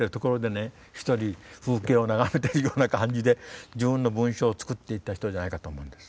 一人風景を眺めているような感じで自分の文章を作っていった人じゃないかと思うんです。